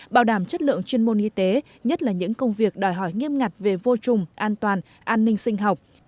bảo đảm chất lượng chuyên môn y tế nhất là những công việc đòi hỏi nghiêm ngặt về vô trùng an toàn an ninh sinh học